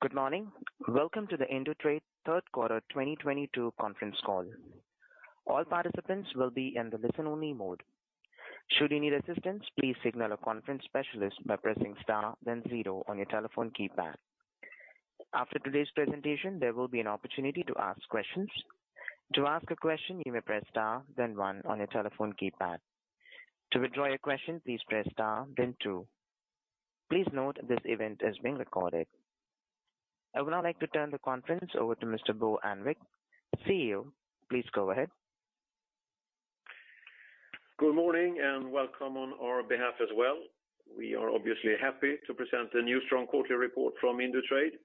Good morning. Welcome to the Indutrade Q3 2022 Conference Call. All participants will be in the listen-only mode. Should you need assistance, please signal a conference specialist by pressing star then zero on your telephone keypad. After today's presentation, there will be an opportunity to ask questions. To ask a question, you may press star then one on your telephone keypad. To withdraw your question, please press star then two. Please note this event is being recorded. I would now like to turn the conference over to Mr. Bo Annvik, CEO. Please go ahead. Good morning, and welcome on our behalf as well. We are obviously happy to present a new strong quarterly report from Indutrade.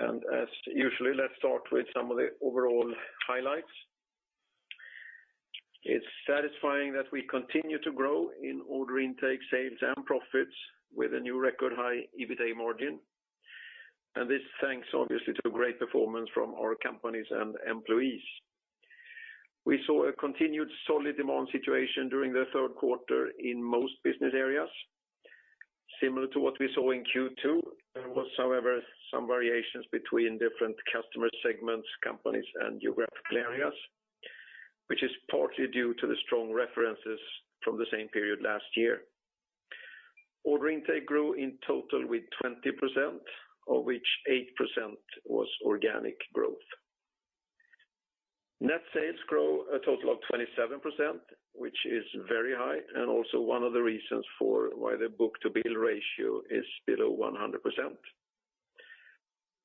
As usual, let's start with some of the overall highlights. It's satisfying that we continue to grow in order intake, sales and profits with a new record high EBITA margin. This thanks obviously to great performance from our companies and employees. We saw a continued solid demand situation during the Q3 in most business areas, similar to what we saw in Q2. There was, however, some variations between different customer segments, companies and geographical areas, which is partly due to the strong references from the same period last year. Order intake grew in total with 20%, of which 8% was organic growth. Net sales grow a total of 27%, which is very high and also one of the reasons for why the book-to-bill ratio is below 100%.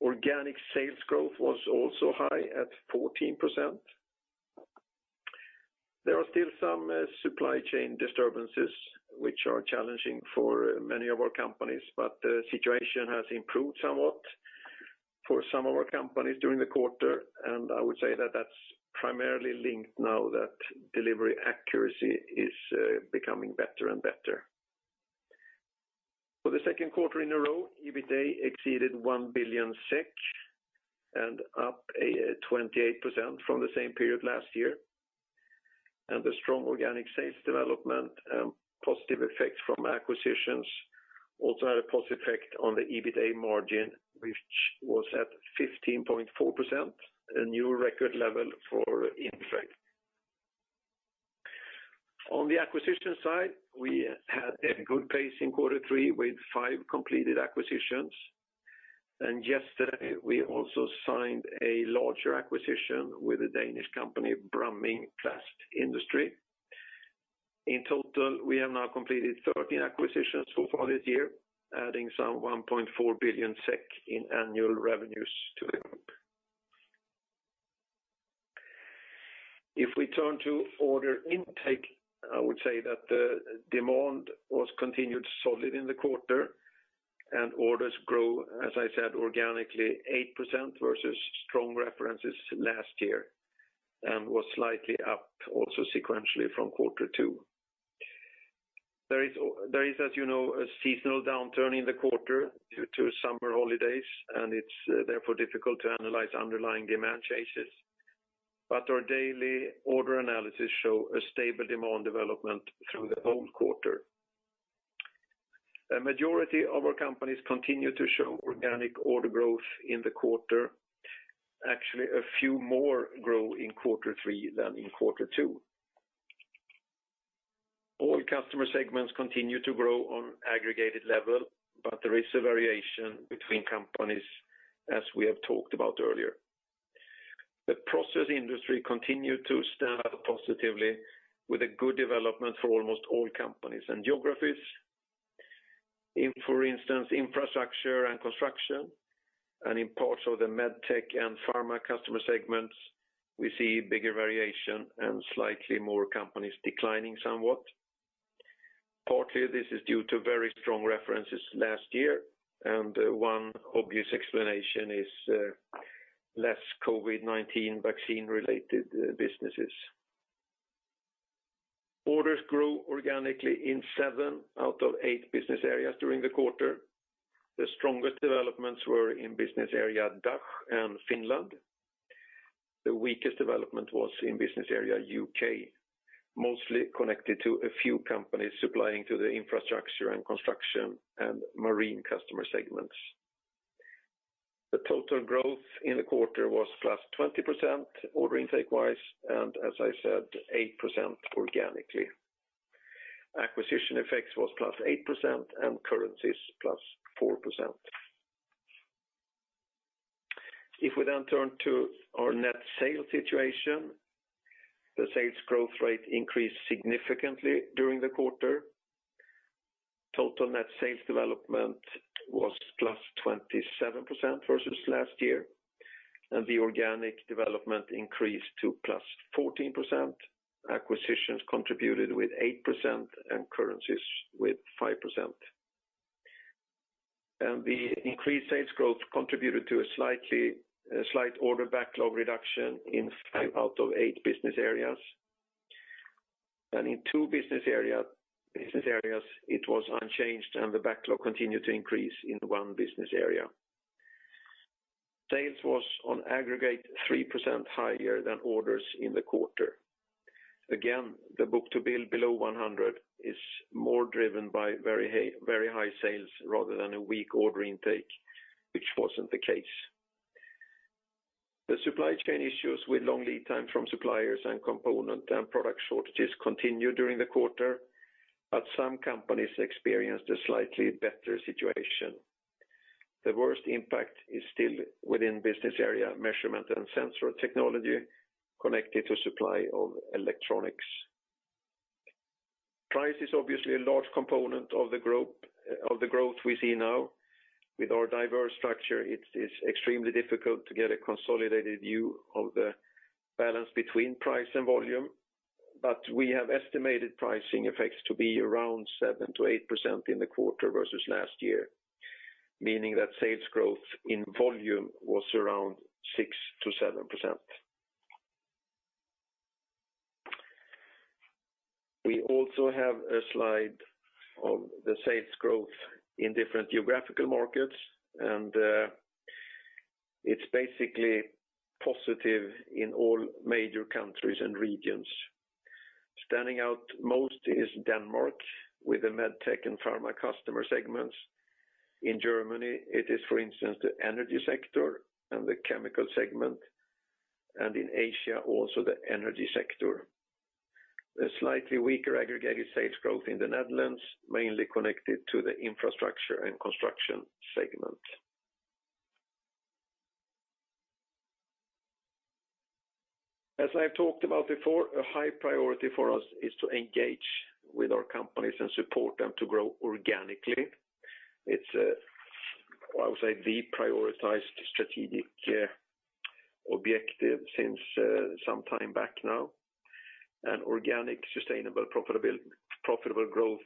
Organic sales growth was also high at 14%. There are still some supply chain disturbances which are challenging for many of our companies, but the situation has improved somewhat for some of our companies during the quarter, and I would say that that's primarily linked now that delivery accuracy is becoming better and better. For the Q2 in a row, EBITA exceeded 1 billion SEK and up 28% from the same period last year. The strong organic sales development and positive effects from acquisitions also had a positive effect on the EBITA margin, which was at 15.4%, a new record level for Indutrade. On the acquisition side, we had a good pace in Q3 with five completed acquisitions. Yesterday, we also signed a larger acquisition with a Danish company, Bramming Plast-Industri. In total, we have now completed 13 acquisitions so far this year, adding some 1.4 billion SEK in annual revenues to the group. If we turn to order intake, I would say that the demand was continued solid in the quarter and orders grow, as I said, organically 8% versus strong references last year, and was slightly up also sequentially from Q2. There is, as you know, a seasonal downturn in the quarter due to summer holidays, and it's therefore difficult to analyze underlying demand changes. Our daily order analysis show a stable demand development through the whole quarter. A majority of our companies continue to show organic order growth in the quarter. Actually, a few more grow in Q3 than in Q2. All customer segments continue to grow on aggregated level, but there is a variation between companies as we have talked about earlier. The process industry continued to stand out positively with a good development for almost all companies and geographies. In, for instance, infrastructure and construction, and in parts of the MedTech and pharma customer segments, we see bigger variation and slightly more companies declining somewhat. Partly, this is due to very strong references last year, and one obvious explanation is less COVID-19 vaccine related businesses. Orders grew organically in seven out of eight business areas during the quarter. The strongest developments were in business area DACH and Finland. The weakest development was in business area U.K., mostly connected to a few companies supplying to the infrastructure and construction and marine customer segments. The total growth in the quarter was +20% order intake-wise, and as I said, 8% organically. Acquisition effects was +8% and currencies +4%. If we then turn to our net sales situation, the sales growth rate increased significantly during the quarter. Total net sales development was +27% versus last year, and the organic development increased to +14%. Acquisitions contributed with 8% and currencies with 5%. The increased sales growth contributed to a slight order backlog reduction in five out of eight business areas. In two business areas, it was unchanged and the backlog continued to increase in one business area. Sales was on aggregate 3% higher than orders in the quarter. Again, the book-to-bill below 100 is more driven by very high sales rather than a weak order intake, which wasn't the case. The supply chain issues with long lead time from suppliers and component and product shortages continued during the quarter, but some companies experienced a slightly better situation. The worst impact is still within business area Measurement & Sensor Technology connected to supply of electronics. Price is obviously a large component of the group, of the growth we see now. With our diverse structure, it's extremely difficult to get a consolidated view of the balance between price and volume. We have estimated pricing effects to be around 7% to 8% in the quarter versus last year, meaning that sales growth in volume was around 6% to 7%. We also have a slide of the sales growth in different geographical markets, and it's basically positive in all major countries and regions. Standing out most is Denmark with the MedTech and Pharma customer segments. In Germany, it is, for instance, the energy sector and the chemical segment, and in Asia, also the energy sector. A slightly weaker aggregated sales growth in the Netherlands, mainly connected to the infrastructure and construction segment. As I've talked about before, a high priority for us is to engage with our companies and support them to grow organically. It's a deprioritized strategic objective since some time back now. Organic, sustainable, profitable growth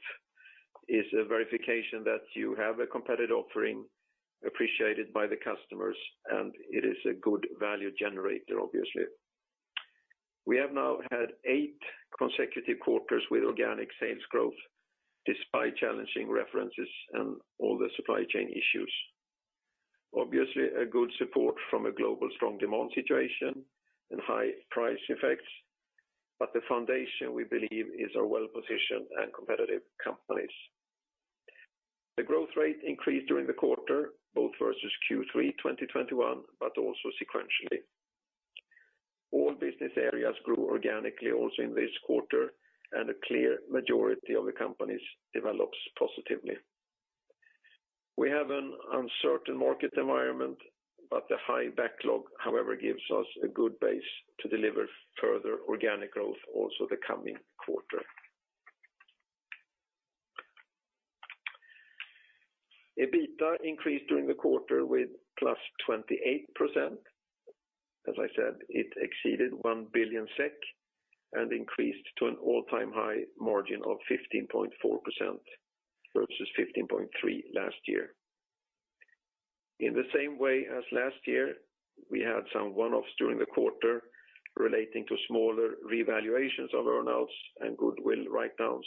is a verification that you have a competitive offering appreciated by the customers, and it is a good value generator, obviously. We have now had eight consecutive quarters with organic sales growth despite challenging headwinds and all the supply chain issues. Obviously, a good support from a global strong demand situation and high price effects, but the foundation we believe is our well-positioned and competitive companies. The growth rate increased during the quarter, both versus Q3 2021, but also sequentially. All business areas grew organically also in this quarter, and a clear majority of the companies develops positively. We have an uncertain market environment, but the high backlog, however, gives us a good base to deliver further organic growth also the coming quarter. EBITA increased during the quarter with +28%. As I said, it exceeded 1 billion SEK and increased to an all-time high margin of 15.4% versus 15.3% last year. In the same way as last year, we had some one-offs during the quarter relating to smaller revaluations of earnouts and goodwill write-downs.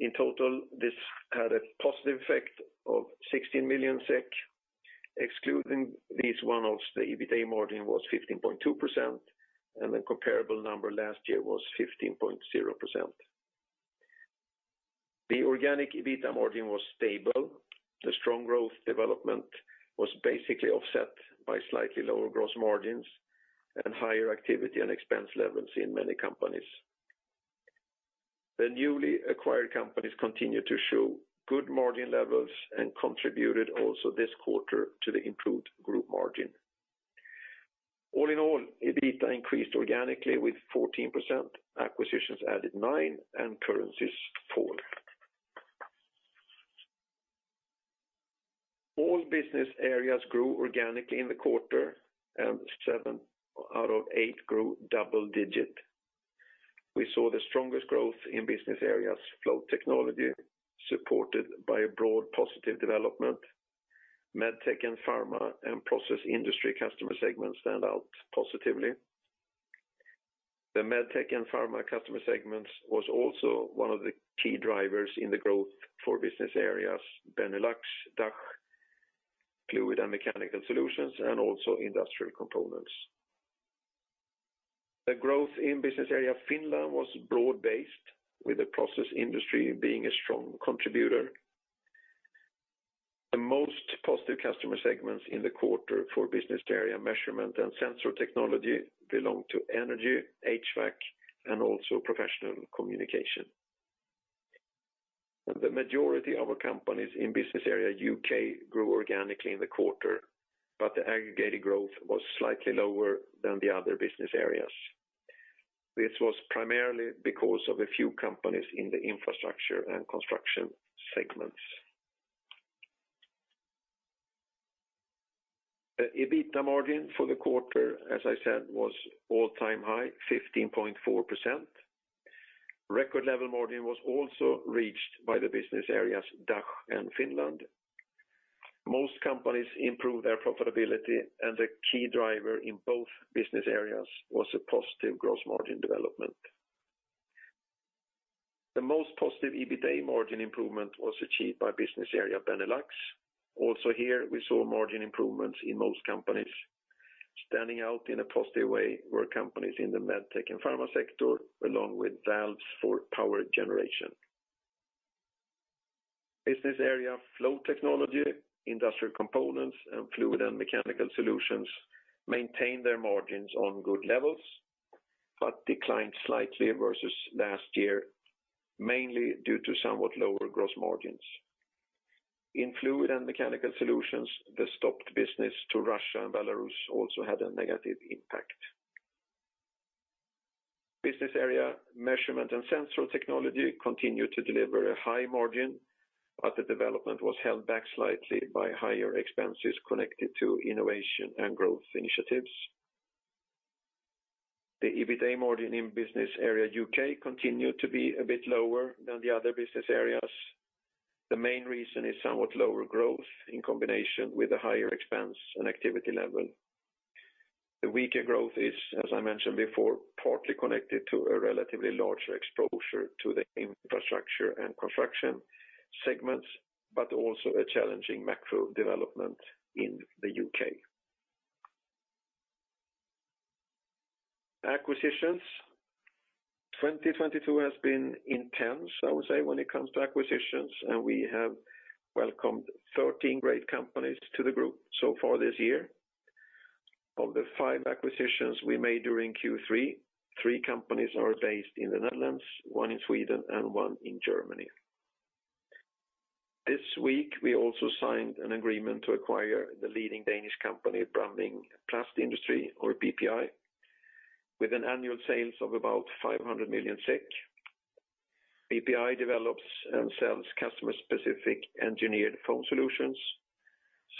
In total, this had a positive effect of 16 million SEK. Excluding these one-offs, the EBITA margin was 15.2%, and the comparable number last year was 15.0%. The organic EBITDA margin was stable. The strong growth development was basically offset by slightly lower gross margins and higher activity and expense levels in many companies. The newly acquired companies continued to show good margin levels and contributed also this quarter to the improved group margin. All in all, EBITDA increased organically with 14%, acquisitions added 9%, and currencies 4%. All business areas grew organically in the quarter, and seven out of eight grew double-digit. We saw the strongest growth in business areas, Flow Technology, supported by a broad positive development. MedTech and Pharma and process industry customer segments stand out positively. The MedTech and Pharma customer segments was also one of the key drivers in the growth for business areas, Benelux, DACH, Fluids & Mechanical Solutions, and also Industrial Components. The growth in business area Finland was broad-based, with the process industry being a strong contributor. The most positive customer segments in the quarter for business area Measurement & Sensor Technology belong to energy, HVAC, and also professional communication. The majority of our companies in business area U.K. grew organically in the quarter, but the aggregated growth was slightly lower than the other business areas. This was primarily because of a few companies in the infrastructure and construction segments. The EBITA margin for the quarter, as I said, was all-time high, 15.4%. Record level margin was also reached by the business areas DACH and Finland. Most companies improved their profitability, and the key driver in both business areas was a positive gross margin development. The most positive EBITA margin improvement was achieved by business area Benelux. Also here, we saw margin improvements in most companies. Standing out in a positive way were companies in the MedTech and pharma sector, along with valves for power generation. Business area Flow Technology, Industrial Components, and Fluids & Mechanical Solutions maintain their margins on good levels, but declined slightly versus last year, mainly due to somewhat lower gross margins. In Fluids & Mechanical Solutions, the stopped business to Russia and Belarus also had a negative impact. Business area Measurement & Sensor Technology continued to deliver a high margin, but the development was held back slightly by higher expenses connected to innovation and growth initiatives. The EBITA margin in business area U.K. continued to be a bit lower than the other business areas. The main reason is somewhat lower growth in combination with a higher expense and activity level. The weaker growth is, as I mentioned before, partly connected to a relatively larger exposure to the infrastructure and construction segments, but also a challenging macro development in the U.K.. Acquisitions. 2022 has been intense, I would say, when it comes to acquisitions, and we have welcomed 13 great companies to the group so far this year. Of the five acquisitions we made during Q3, three companies are based in the Netherlands, one in Sweden, and one in Germany. This week, we also signed an agreement to acquire the leading Danish company, Bramming Plast-Industri, or BPI, with annual sales of about 500 million SEK. BPI develops and sells customer-specific engineered foam solutions,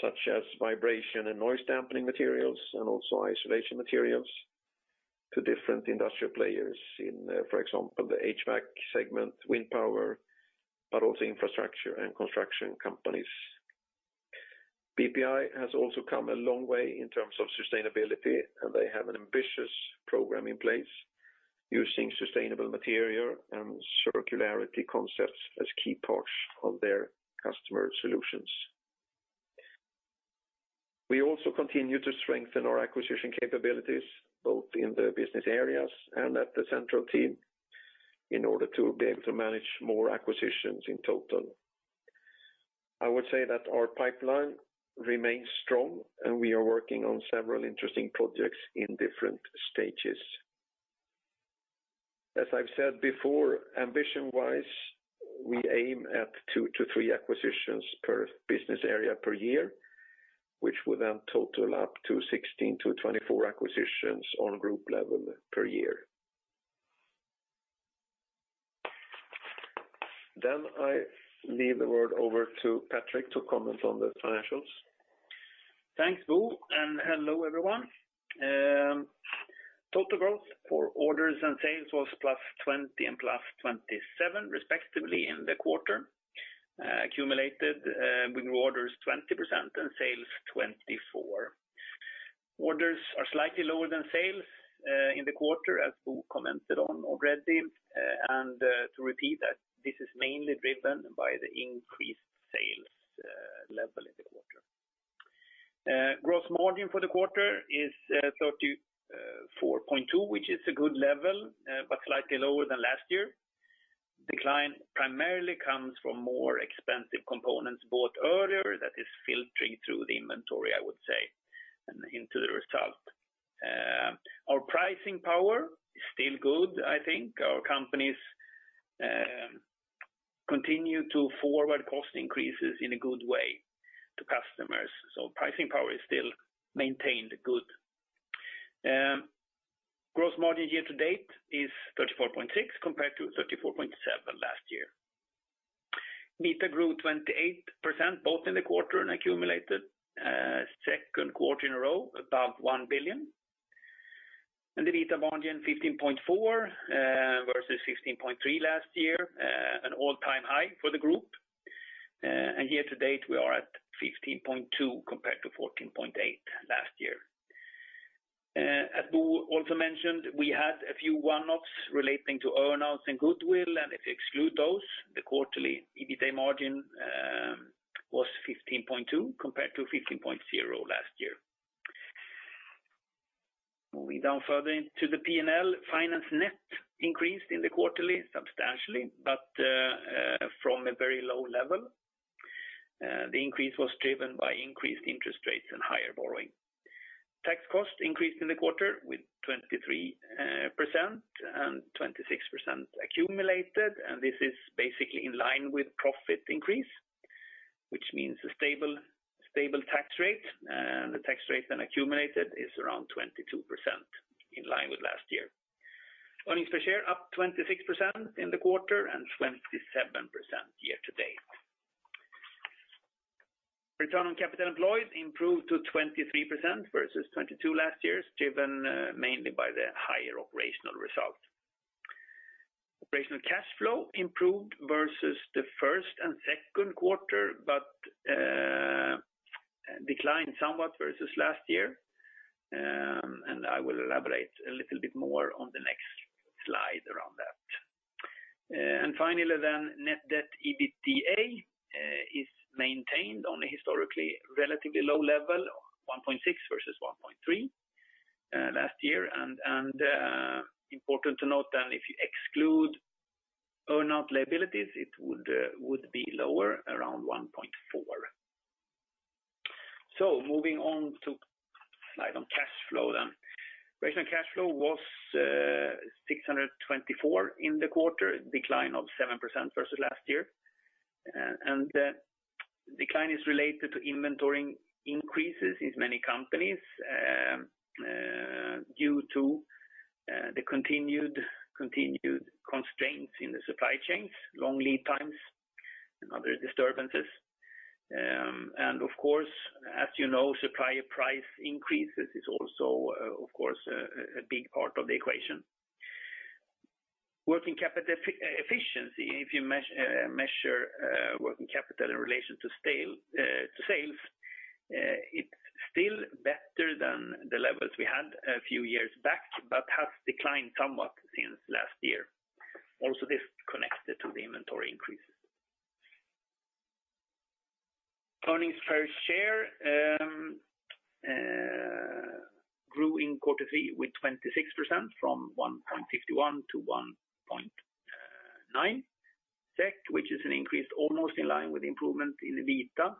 such as vibration and noise dampening materials, and also isolation materials to different industrial players in, for example, the HVAC segment, wind power, but also infrastructure and construction companies. BPI has also come a long way in terms of sustainability, and they have an ambitious program in place using sustainable material and circularity concepts as key parts of their customer solutions. We also continue to strengthen our acquisition capabilities, both in the business areas and at the central team, in order to be able to manage more acquisitions in total. I would say that our pipeline remains strong, and we are working on several interesting projects in different stages. As I've said before, ambition-wise, we aim at two to three acquisitions per business area per year, which would then total up to 16 to 24 acquisitions on group level per year. I leave the word over to Patrik to comment on the financials. Thanks, Bo, and hello, everyone. Total growth for orders and sales was +20% and +27%, respectively, in the quarter. Accumulated with orders 20% and sales 24%. Orders are slightly lower than sales in the quarter, as Bo commented on already. To repeat that, this is mainly driven by the increased sales level in the quarter. Gross margin for the quarter is 34.2%, which is a good level, but slightly lower than last year. Decline primarily comes from more expensive components bought earlier that is filtering through the inventory, I would say, and into the result. Our pricing power is still good, I think. Our companies continue to forward cost increases in a good way to customers, so pricing power is still maintained good. Gross margin year to date is 34.6% compared to 34.7% last year. EBITA grew 28% both in the quarter and accumulated, Q2 in a row above 1 billion. The EBITA margin, 15.4%, versus 16.3% last year, an all-time high for the group. Year to date, we are at 15.2% compared to 14.8% last year. As Bo also mentioned, we had a few one-offs relating to earnouts and goodwill. If you exclude those, the quarterly EBITA margin was 15.2% compared to 15.0% last year. Moving down further into the P&L, finance net increased in the quarterly substantially, but from a very low level. The increase was driven by increased interest rates and higher borrowing. Tax costs increased in the quarter with 23% and 26% accumulated, and this is basically in line with profit increase, which means a stable tax rate. The tax rate then accumulated is around 22%, in line with last year. Earnings per share up 26% in the quarter and 27% year to date. Return on capital employed improved to 23% versus 22% last year, driven mainly by the higher operational result. Operational cash flow improved versus the first and Q2, but declined somewhat versus last year, and I will elaborate a little bit more on the next slide around that. Finally, net debt/EBITA is maintained on a historically relatively low level, 1.6% versus 1.3% last year. Important to note that if you exclude earn out liabilities, it would be lower around 1.4%. Moving on to the slide on cash flow then. Operating cash flow was 624 in the quarter, decline of 7% versus last year. The decline is related to inventory increases in many companies due to the continued constraints in the supply chains, long lead times and other disturbances. Of course, as you know, supplier price increases is also of course a big part of the equation. Working capital efficiency, if you measure working capital in relation to sales, it's still better than the levels we had a few years back, but has declined somewhat since last year. Also, this connected to the inventory increases. Earnings per share grew in Q3 with 26% from 1.51 to 1.9 SEK, which is an increase almost in line with improvement in EBITA.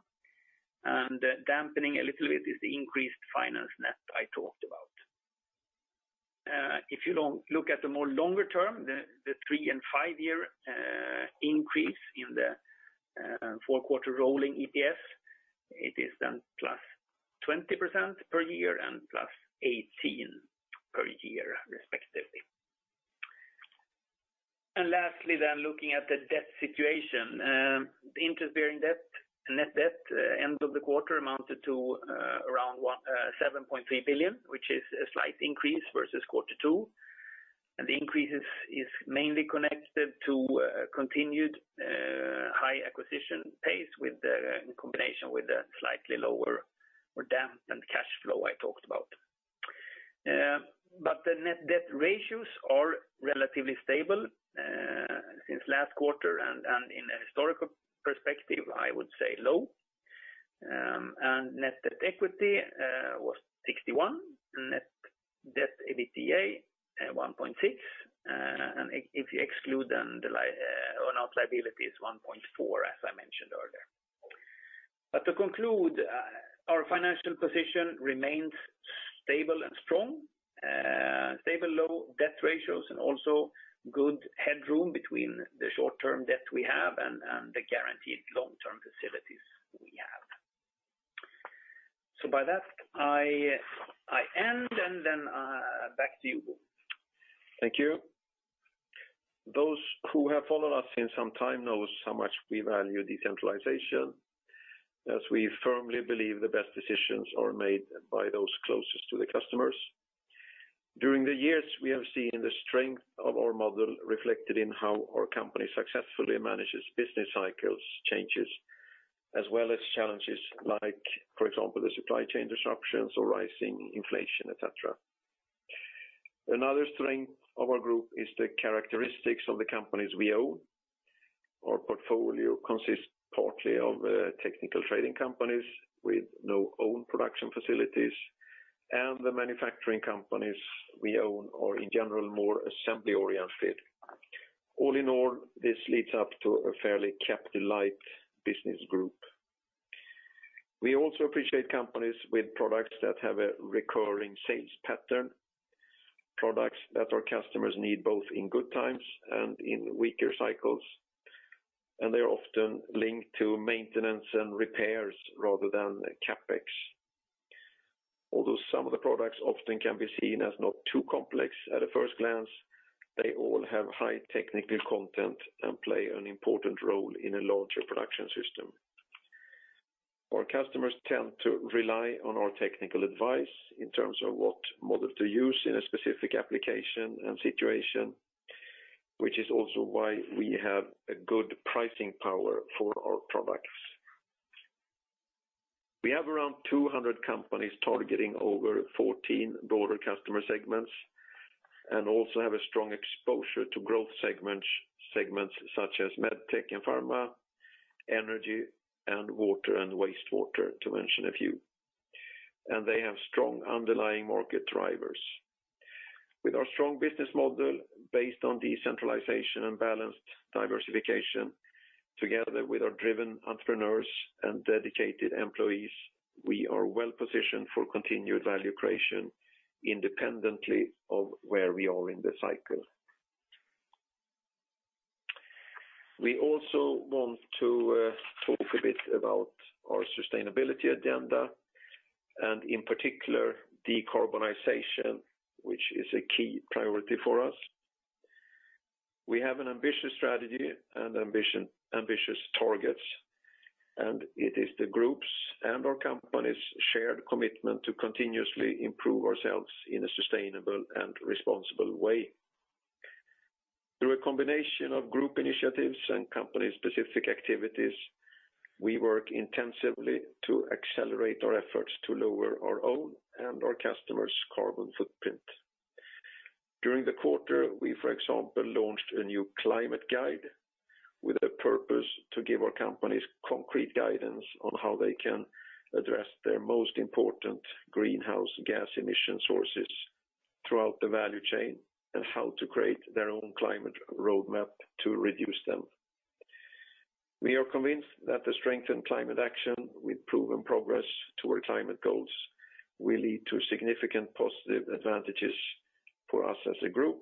Dampening a little bit is the increased financial net I talked about. If you don't look at the more longer term, the three-and five-year increase in the four-quarter rolling EPS, it is then plus 20% per year and plus 18% per year respectively. Lastly then looking at the debt situation. The interest-bearing debt and net debt end of the quarter amounted to around 1.7 billion, which is a slight increase versus Q2. The increase is mainly connected to continued high acquisition pace in combination with a slightly lower or dampened cash flow I talked about. The net debt ratios are relatively stable since last quarter and in a historical perspective, I would say low. Net debt/equity was 61, net debt/EBITA 1.6%. If you exclude the earnout liability is 1.4%, as I mentioned earlier. To conclude, our financial position remains stable and strong. Stable low debt ratios and also good headroom between the short-term debt we have and the guaranteed long-term facilities we have. By that, I end, back to you Bo. Thank you. Those who have followed us in some time know how much we value decentralization, as we firmly believe the best decisions are made by those closest to the customers. During the years, we have seen the strength of our model reflected in how our company successfully manages business cycles, changes, as well as challenges like, for example, the supply chain disruptions or rising inflation, et cetera. Another strength of our group is the characteristics of the companies we own. Our portfolio consists partly of technical trading companies with no own production facilities, and the manufacturing companies we own are in general more assembly-oriented. All in all, this leads up to a fairly capital-light business group. We also appreciate companies with products that have a recurring sales pattern, products that our customers need both in good times and in weaker cycles, and they are often linked to maintenance and repairs rather than CapEx. Although some of the products often can be seen as not too complex at a first glance, they all have high technical content and play an important role in a larger production system. Our customers tend to rely on our technical advice in terms of what model to use in a specific application and situation, which is also why we have a good pricing power for our products. We have around 200 companies targeting over 14 broader customer segments and also have a strong exposure to growth segments such as MedTech and pharma, energy and water and wastewater, to mention a few. They have strong underlying market drivers. With our strong business model based on decentralization and balanced diversification, together with our driven entrepreneurs and dedicated employees, we are well positioned for continued value creation independently of where we are in the cycle. We also want to talk a bit about our sustainability agenda, and in particular, decarbonization, which is a key priority for us. We have an ambitious strategy and ambitious targets, and it is the groups and our companies' shared commitment to continuously improve ourselves in a sustainable and responsible way. Through a combination of group initiatives and company-specific activities, we work intensively to accelerate our efforts to lower our own and our customers' carbon footprint. During the quarter, we, for example, launched a new climate guide with a purpose to give our companies concrete guidance on how they can address their most important greenhouse gas emission sources throughout the value chain, and how to create their own climate roadmap to reduce them. We are convinced that the strengthened climate action with proven progress to our climate goals will lead to significant positive advantages for us as a group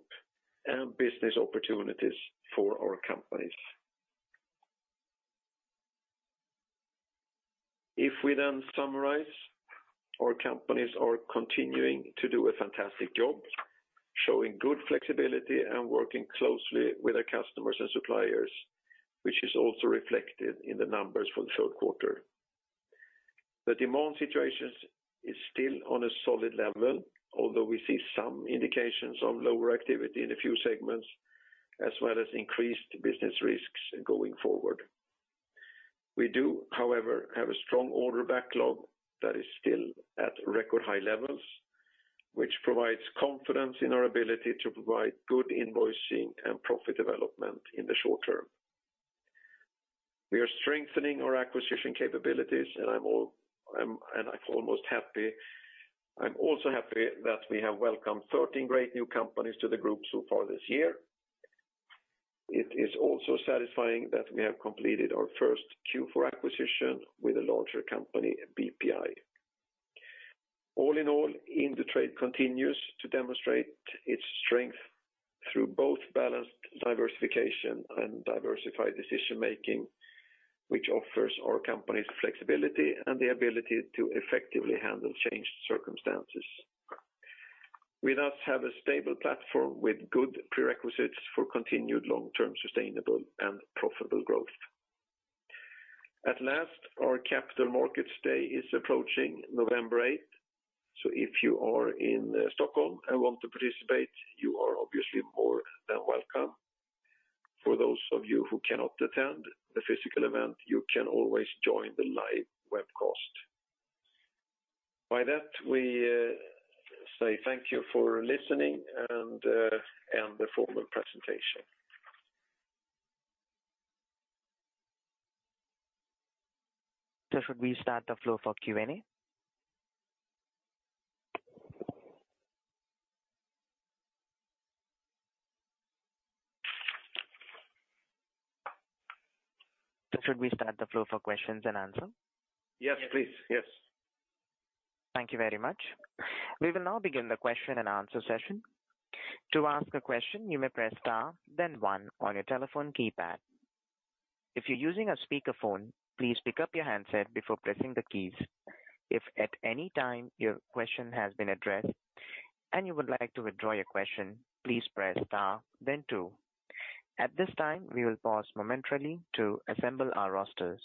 and business opportunities for our companies. If we then summarize, our companies are continuing to do a fantastic job, showing good flexibility and working closely with our customers and suppliers, which is also reflected in the numbers for the Q3. The demand situation is still on a solid level, although we see some indications of lower activity in a few segments, as well as increased business risks going forward. We do, however, have a strong order backlog that is still at record high levels, which provides confidence in our ability to provide good invoicing and profit development in the short term. We are strengthening our acquisition capabilities, and I'm also happy that we have welcomed 13 great new companies to the group so far this year. It is also satisfying that we have completed our first Q4 acquisition with a larger company, BPI. All in all, Indutrade continues to demonstrate its strength through both balanced diversification and diversified decision-making, which offers our companies flexibility and the ability to effectively handle changed circumstances. We thus have a stable platform with good prerequisites for continued long-term sustainable and profitable growth. At last, our Capital Markets Day is approaching November eighth, so if you are in Stockholm and want to participate, you are obviously more than welcome. For those of you who cannot attend the physical event, you can always join the live webcast. By that, we say thank you for listening and end the formal presentation. Should we open the floor for Q&A? Yes, please. Yes. Thank you very much. We will now begin the question and answer session. To ask a question, you may press star then one on your telephone keypad. If you're using a speakerphone, please pick up your handset before pressing the keys. If at any time your question has been addressed and you would like to withdraw your question, please press star then two. At this time, we will pause momentarily to assemble our rosters.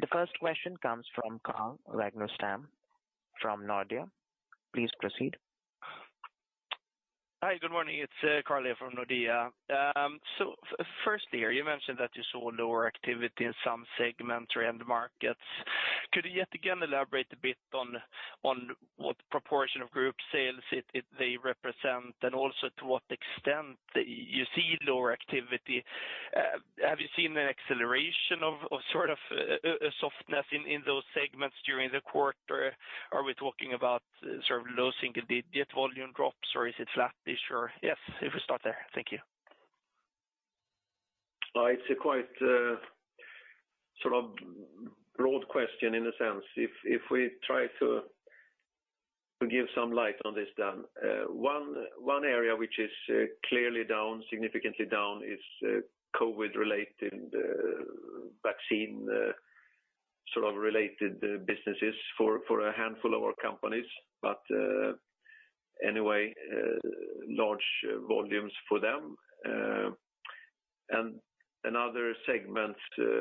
The first question comes from Carl Rågnarstam from Nordea. Please proceed. Hi, good morning. It's Carl from Nordea. So first here, you mentioned that you saw lower activity in some segments or end markets. Could you yet again elaborate a bit on what proportion of group sales they represent, and also to what extent you see lower activity? Have you seen an acceleration of sort of a softness in those segments during the quarter? Are we talking about sort of losing the volume drops, or is it flattish? Or yes, if we start there. Thank you. It's a quite sort of broad question in a sense. If we try to give some light on this then, one area which is clearly down, significantly down is COVID-related vaccine sort of related businesses for a handful of our companies. Anyway, large volumes for them. Another segment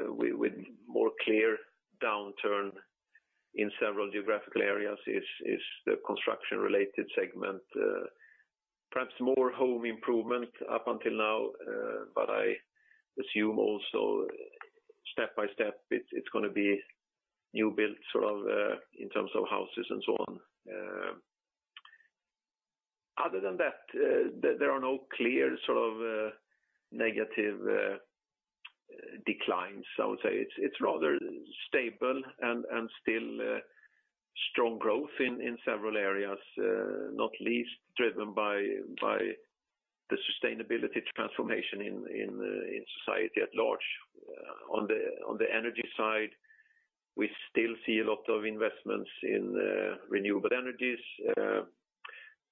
with more clear downturn in several geographical areas is the construction-related segment, perhaps more home improvement up until now, but I assume also step by step it's gonna be new build sort of in terms of houses and so on. Other than that, there are no clear sort of negative declines, I would say. It's rather stable and still strong growth in several areas, not least driven by the sustainability transformation in society at large. On the energy side, we still see a lot of investments in renewable energies.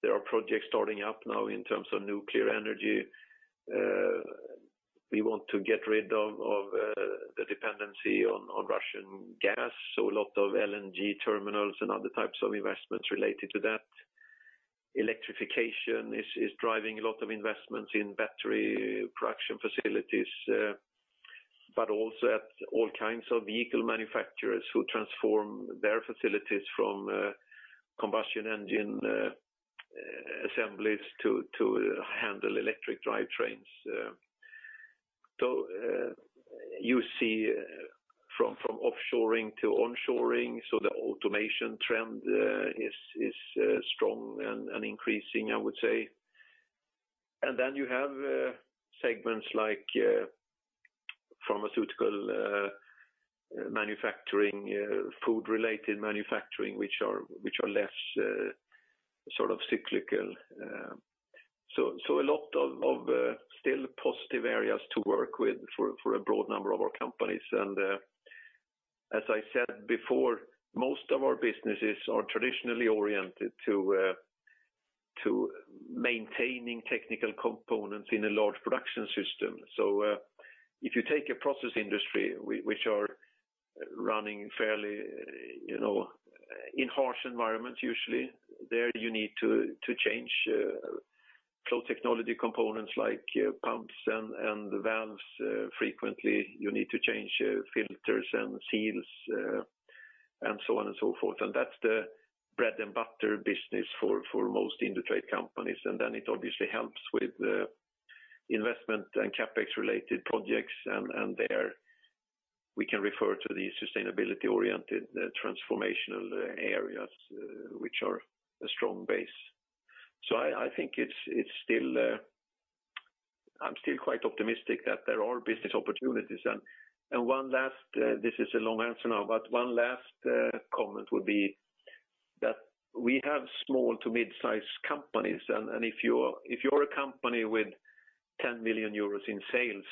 There are projects starting up now in terms of nuclear energy. We want to get rid of the dependency on Russian gas, so a lot of LNG terminals and other types of investments related to that. Electrification is driving a lot of investments in battery production facilities, but also at all kinds of vehicle manufacturers who transform their facilities from combustion engine assemblies to handle electric drivetrains. So you see from offshoring to onshoring, so the automation trend is strong and increasing, I would say. Then you have segments like pharmaceutical manufacturing, food-related manufacturing, which are less sort of cyclical. So a lot of still positive areas to work with for a broad number of our companies. As I said before, most of our businesses are traditionally oriented to maintaining technical components in a large production system. If you take a process industry which are running fairly, you know, in harsh environments, usually, there you need to change flow technology components like pumps and valves frequently. You need to change filters and seals and so on and so forth. That's the bread and butter business for most Indutrade companies. It obviously helps with investment and CapEx related projects. There we can refer to the sustainability-oriented transformational areas, which are a strong base. I think it's still. I'm still quite optimistic that there are business opportunities. This is a long answer now, but one last comment would be that we have small to mid-size companies. If you're a company with 10 million euros in sales,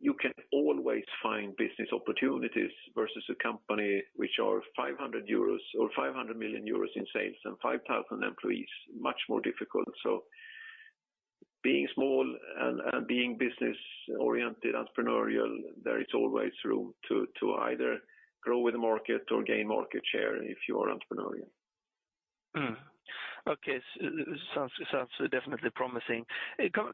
you can always find business opportunities versus a company which are 500 million euros in sales and 5,000 employees, much more difficult. Being small and being business-oriented entrepreneurial, there is always room to either grow with the market or gain market share if you are entrepreneurial. Mm-hmm. Okay. Sounds definitely promising.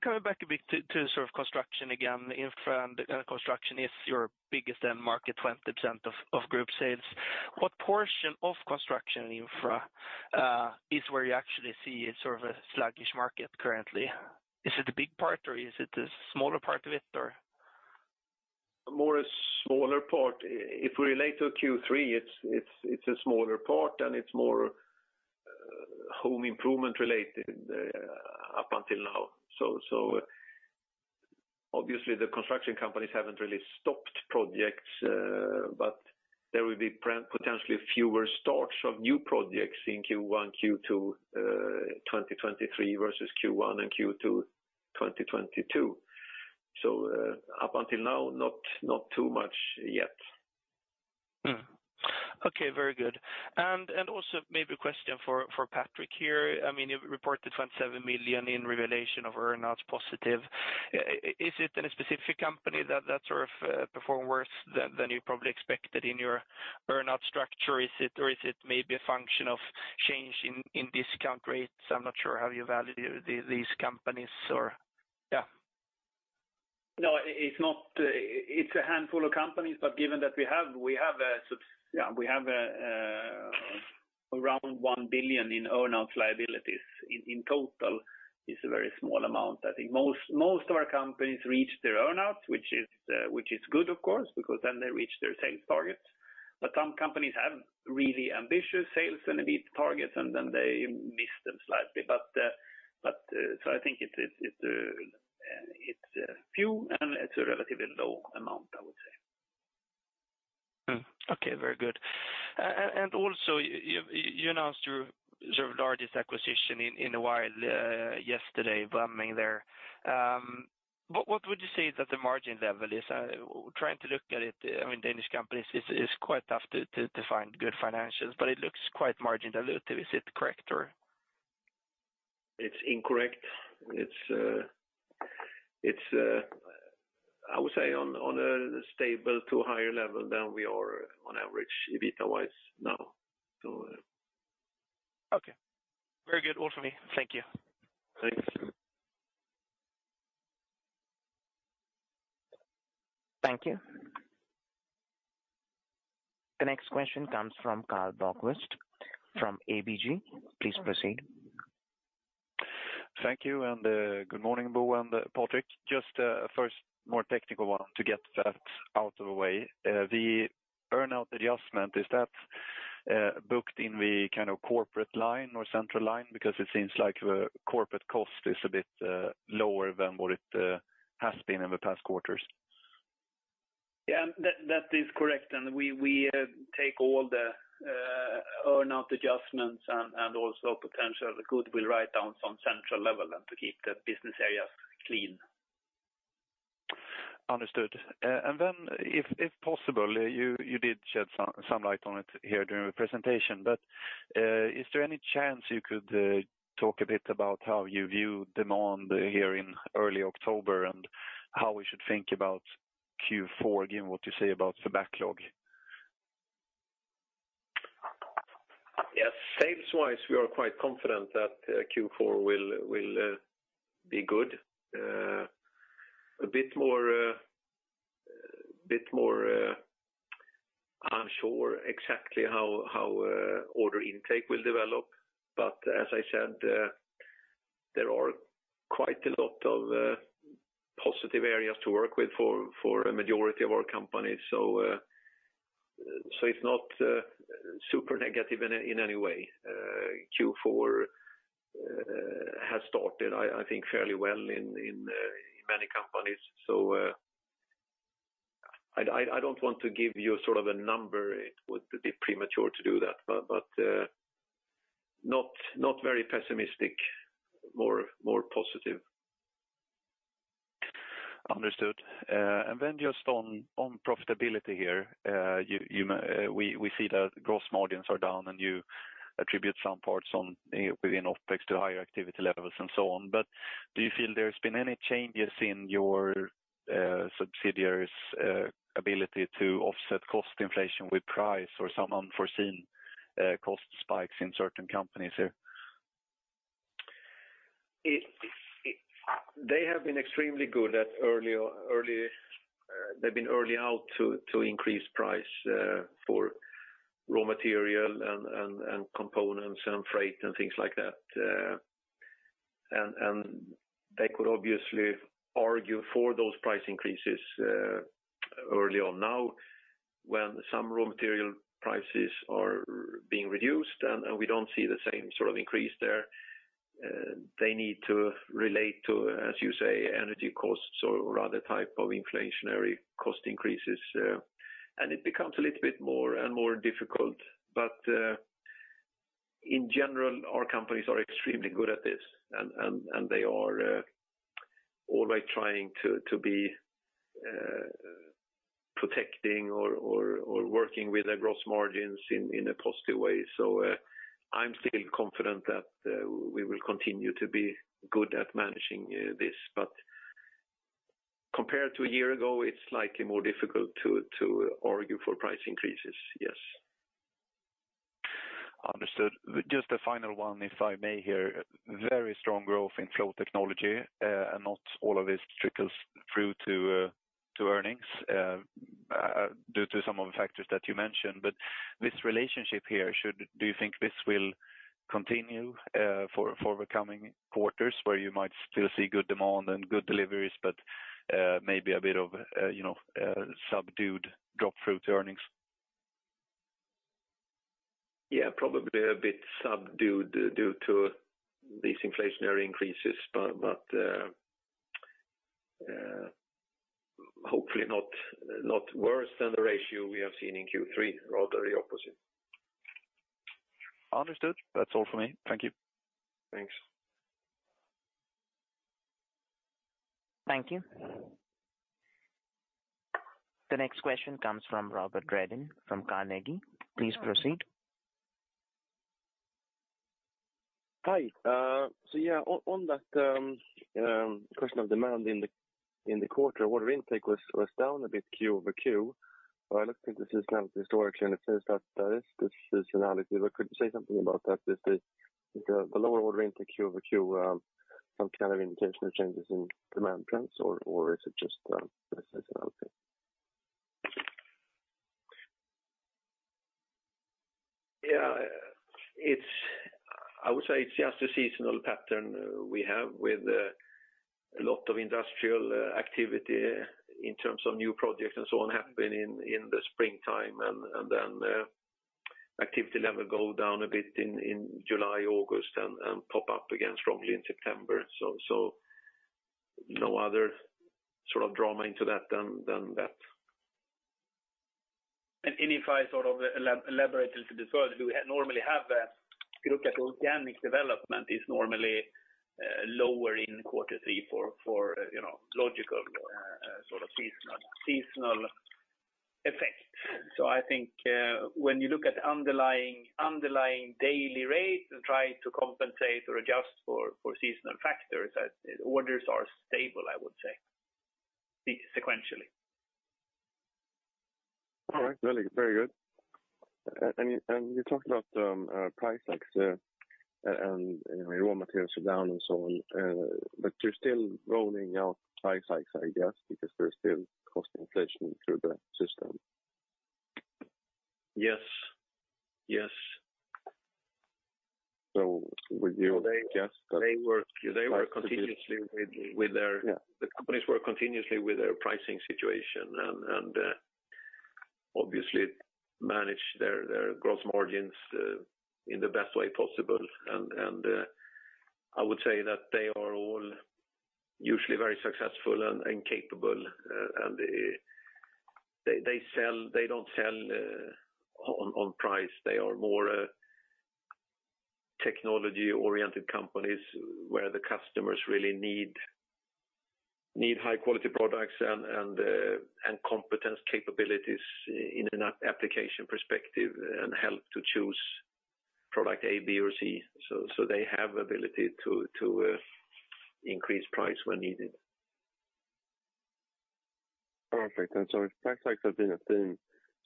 Coming back a bit to sort of construction again, infra and construction is your biggest end market, 20% of group sales. What portion of construction infra is where you actually see sort of a sluggish market currently? Is it a big part or is it a smaller part of it or? More a smaller part. If we relate to Q3, it's a smaller part, and it's more home improvement related up until now. Obviously, the construction companies haven't really stopped projects, but there will be potentially fewer starts of new projects in Q1, Q2 2023 versus Q1 and Q2 2022. Up until now, not too much yet. Okay. Very good. Also maybe a question for Patrik here. I mean, you reported 27 million in realization of earnouts positive. Is it in a specific company that sort of performed worse than you probably expected in your earnout structure? Or is it maybe a function of change in discount rates? I'm not sure how you value these companies or yeah. No, it's not. It's a handful of companies, but given that we have around 1 billion in earnout liabilities in total is a very small amount. I think most of our companies reach their earnouts, which is good, of course, because then they reach their sales targets. Some companies have really ambitious sales and EBITA targets, and then they miss them slightly. I think it is few and it's a relatively low amount, I would say. Okay, very good. And also you announced your sort of largest acquisition in a while yesterday, Bramming there. What would you say that the margin level is? Trying to look at it, I mean, Danish companies is quite tough to find good financials, but it looks quite margin dilutive. Is it correct or? It's incorrect. It's I would say on a stable to higher level than we are on average EBITA-wise now. Okay. Very good. All for me. Thank you. Thanks. Thank you. The next question comes from Carl Broqvist from ABG. Please proceed. Thank you, good morning, Bo and Patrik. Just first more technical one to get that out of the way. The earnout adjustment, is that booked in the kind of corporate line or central line? Because it seems like the corporate cost is a bit lower than what it has been in the past quarters. Yeah, that is correct. We take all the earnout adjustments and also potential goodwill write-downs on central level and to keep the business areas clean. Understood. If possible, you did shed some light on it here during the presentation, but is there any chance you could talk a bit about how you view demand here in early October and how we should think about Q4, given what you say about the backlog? Yes. Sales-wise, we are quite confident that Q4 will be good. A bit more unsure exactly how order intake will develop. As I said, there are quite a lot of positive areas to work with for a majority of our companies. It's not super negative in any way. Q4 has started, I think fairly well in many companies. I don't want to give you sort of a number. It would be premature to do that, but not very pessimistic, more positive. Understood. Just on profitability here, we see that gross margins are down, and you attribute some parts within OpEx to higher activity levels and so on. Do you feel there's been any changes in your subsidiaries' ability to offset cost inflation with price or some unforeseen cost spikes in certain companies here? They have been extremely good at early. They've been early out to increase price for raw material and components and freight and things like that. They could obviously argue for those price increases early on. Now, when some raw material prices are being reduced and we don't see the same sort of increase there, they need to relate to, as you say, energy costs or other type of inflationary cost increases, and it becomes a little bit more and more difficult. In general, our companies are extremely good at this and they are always trying to be protecting or working with the gross margins in a positive way. I'm still confident that we will continue to be good at managing this. Compared to a year ago, it's likely more difficult to argue for price increases. Yes. Understood. Just a final one, if I may here. Very strong growth in Flow Technology, and not all of this trickles through to earnings, due to some of the factors that you mentioned. This relationship here, do you think this will continue, for the coming quarters where you might still see good demand and good deliveries, but, maybe a bit of, you know, subdued drop through to earnings? Yeah, probably a bit subdued due to these inflationary increases, but hopefully not worse than the ratio we have seen in Q3, rather the opposite. Understood. That's all for me. Thank you. Thanks. Thank you. The next question comes from Robert Redin from Carnegie. Please proceed. Hi. Yeah, on that question of demand in the quarter, order intake was down a bit Q over Q. I looked into this historically, and it says that there is this seasonality, but could you say something about that? Is the lower order intake Q over Q some kind of indication of changes in demand trends, or is it just seasonality? Yeah. It's, I would say, just a seasonal pattern we have with a lot of industrial activity in terms of new projects and so on happening in the springtime, and then activity level go down a bit in July, August, and pop up again strongly in September. No other sort of drama than that. If I elaborate a little bit further, we normally have. If you look at organic development, it's normally lower in Q3 for you know logical sort of seasonal effect. I think when you look at underlying daily rates and try to compensate or adjust for seasonal factors, orders are stable, I would say, sequentially. All right. Very, very good. You talked about price hikes, and you know, raw materials are down and so on, but you're still rolling out price hikes, I guess, because there's still cost inflation through the system. Yes. Yes. Would you guess that? They work continuously with their. Yeah. The companies work continuously with their pricing situation and obviously manage their gross margins in the best way possible. I would say that they are all usually very successful and capable, and they don't sell on price. They are more technology-oriented companies where the customers really need high-quality products and competence capabilities in an application perspective and help to choose product A, B or C. They have ability to increase price when needed. Perfect. If price hikes have been a theme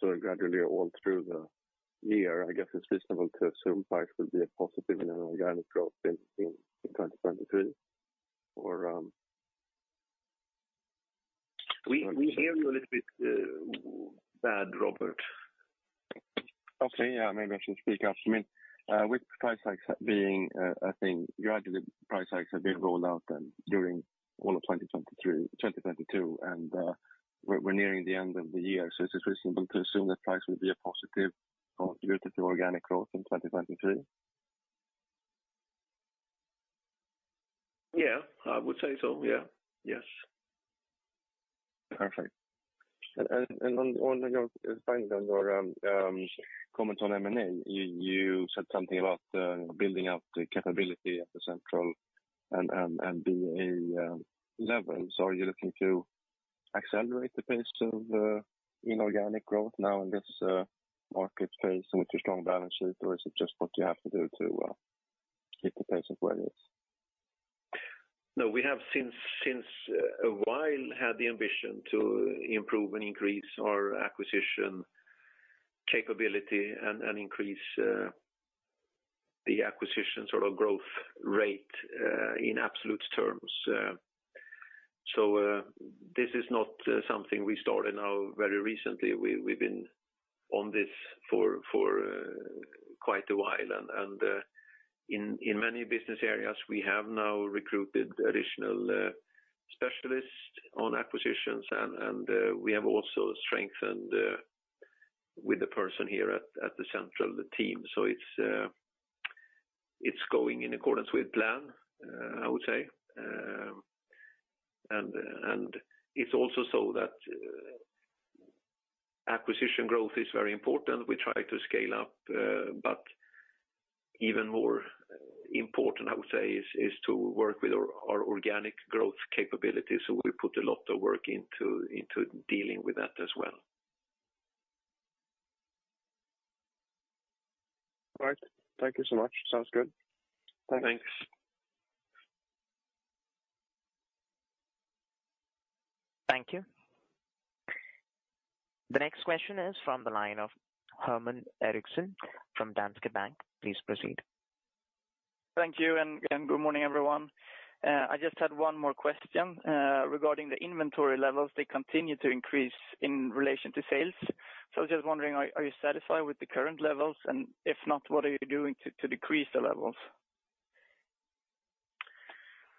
sort of gradually all through the year, I guess it's reasonable to assume price will be a positive in an organic growth in 2023 or... We hear you a little bit bad, Robert. Okay. Yeah, maybe I should speak up. I mean, with price hikes being a thing, gradually price hikes have been rolled out then during all of 2022, and we're nearing the end of the year. Is it reasonable to assume that price will be a positive contributor to organic growth in 2023? Yeah, I would say so. Yeah. Yes. Perfect. On your final comment on M&A, you said something about building out the capability at the central and BA levels. Are you looking to accelerate the pace of inorganic growth now in this market phase with your strong balance sheet, or is it just what you have to do to keep the pace of where it is? No, we have for a while had the ambition to improve and increase our acquisition capability and increase the acquisition sort of growth rate in absolute terms. This is not something we started now very recently. We've been on this for quite a while. In many business areas, we have now recruited additional specialists on acquisitions and we have also strengthened with the person here at the central team. It's going in accordance with plan, I would say. It's also so that acquisition growth is very important. We try to scale up, but even more important, I would say, is to work with our organic growth capability. We put a lot of work into dealing with that as well. All right. Thank you so much. Sounds good. Thanks. Thank you. The next question is from the line of Herman Eriksson from Danske Bank. Please proceed. Thank you, good morning, everyone. I just had one more question regarding the inventory levels. They continue to increase in relation to sales. Just wondering, are you satisfied with the current levels? If not, what are you doing to decrease the levels?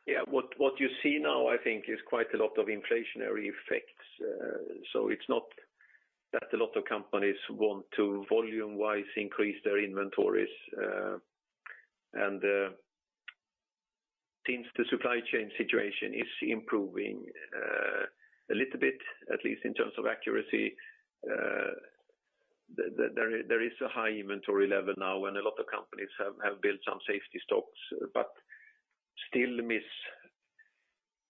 Yeah. What you see now, I think, is quite a lot of inflationary effects. It's not that a lot of companies want to volume-wise increase their inventories. Since the supply chain situation is improving a little bit, at least in terms of accuracy, there is a high inventory level now, and a lot of companies have built some safety stocks, but still miss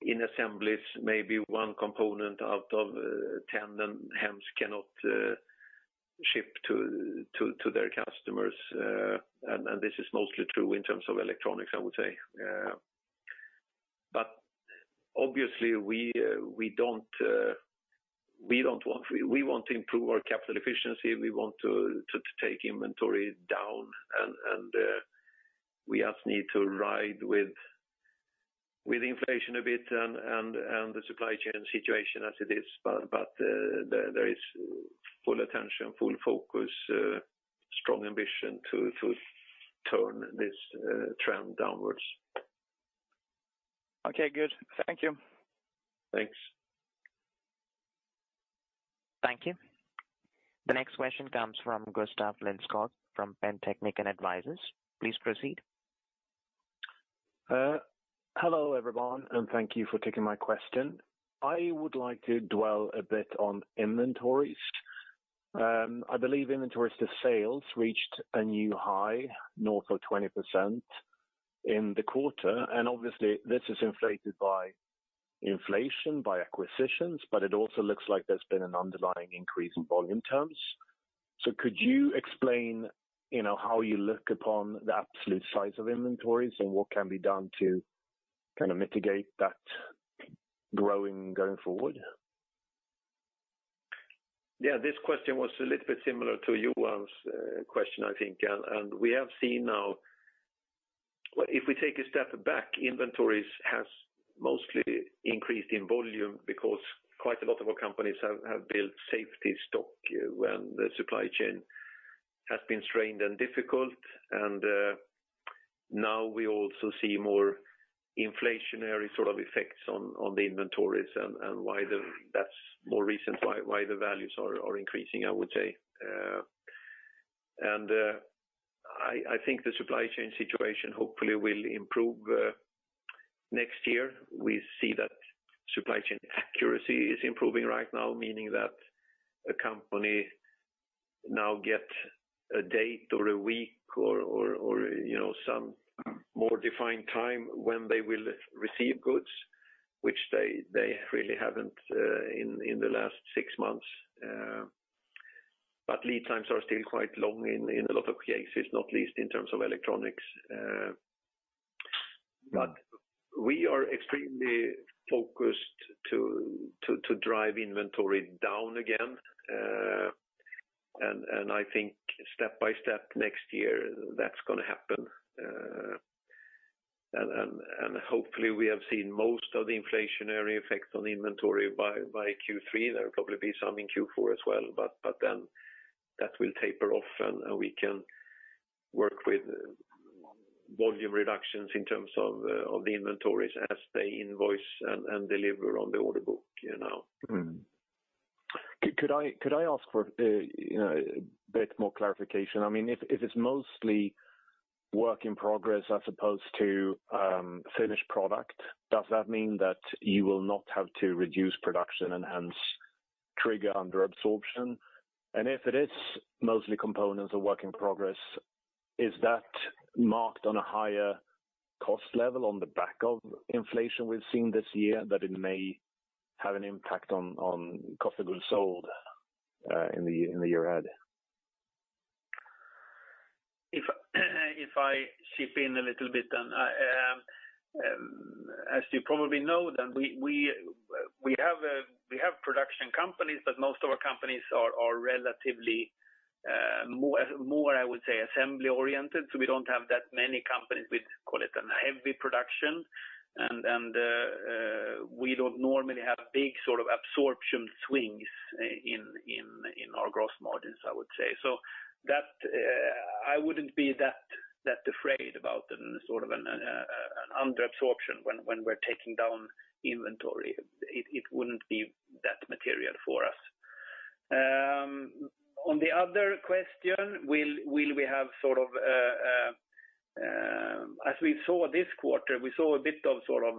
in assemblies, maybe one component out of 10, and hence cannot ship to their customers. This is mostly true in terms of electronics, I would say. But obviously, we want to improve our capital efficiency. We want to take inventory down, and we just need to ride with inflation a bit and the supply chain situation as it is. There is full attention, full focus, strong ambition to turn this trend downwards. Okay, good. Thank you. Thanks. Thank you. The next question comes from Gustav Lindskog from Penser Bank. Please proceed. Hello, everyone, and thank you for taking my question. I would like to dwell a bit on inventories. I believe inventories to sales reached a new high north of 20% in the quarter, and obviously this is inflated by inflation, by acquisitions, but it also looks like there's been an underlying increase in volume terms. Could you explain, you know, how you look upon the absolute size of inventories and what can be done to kind of mitigate that growing going forward? Yeah. This question was a little bit similar to Johan's question, I think. We have seen now. Well, if we take a step back, inventories has mostly increased in volume because quite a lot of our companies have built safety stock when the supply chain has been strained and difficult. Now we also see more inflationary sort of effects on the inventories and that's more recent why the values are increasing, I would say. I think the supply chain situation hopefully will improve next year. We see that supply chain accuracy is improving right now, meaning that a company now get a date or a week or you know some more defined time when they will receive goods, which they really haven't in the last six months. Lead times are still quite long in a lot of cases, not least in terms of electronics. We are extremely focused to drive inventory down again. I think step-by-step next year that's gonna happen. Hopefully we have seen most of the inflationary effects on the inventory by Q3. There will probably be some in Q4 as well, then that will taper off and we can work with volume reductions in terms of the inventories as they invoice and deliver on the order book, you know? Could I ask for you know a bit more clarification? I mean, if it's mostly work in progress as opposed to finished product, does that mean that you will not have to reduce production and hence trigger under absorption? If it is mostly components of work in progress, is that marked on a higher cost level on the back of inflation we've seen this year that it may have an impact on cost of goods sold in the year ahead? If I chip in a little bit, then. As you probably know, we have production companies, but most of our companies are relatively more, I would say, assembly oriented. We don't have that many companies with, call it, a heavy production. We don't normally have big sort of absorption swings in our gross margins, I would say. That I wouldn't be that afraid about the sort of an under absorption when we're taking down inventory. It wouldn't be that material for us. On the other question, will we have sort of, as we saw this quarter, we saw a bit of sort of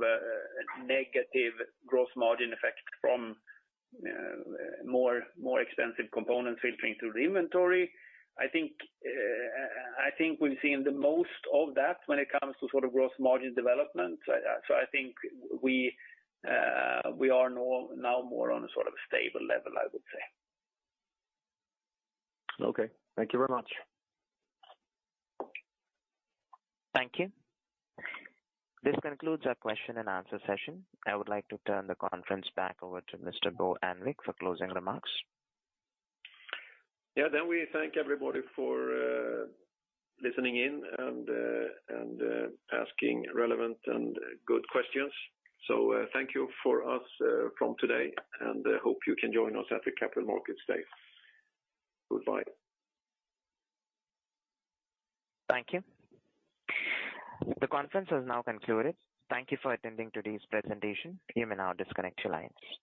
negative gross margin effect from more expensive components filtering through the inventory. I think we've seen the most of that when it comes to sort of gross margin development. I think we are now more on a sort of stable level, I would say. Okay. Thank you very much. Thank you. This concludes our question and answer session. I would like to turn the conference back over to Mr. Bo Annvik for closing remarks. Yeah. We thank everybody for listening in and asking relevant and good questions. Thank you from us today, and hope you can join us at the Capital Markets Day. Goodbye. Thank you. The conference has now concluded. Thank you for attending today's presentation. You may now disconnect your lines.